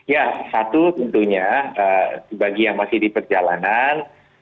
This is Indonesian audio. ya satu tentunya bagi yang masih di perjalanan